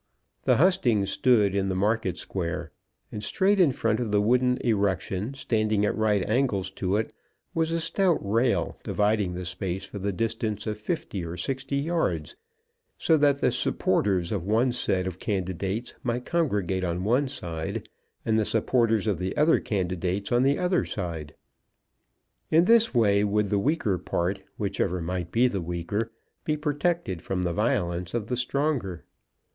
The hustings stood in the market square, and straight in front of the wooden erection, standing at right angles to it, was a stout rail dividing the space for the distance of fifty or sixty yards, so that the supporters of one set of candidates might congregate on one side, and the supporters of the other candidates on the other side. In this way would the weaker part, whichever might be the weaker, be protected from the violence of the stronger.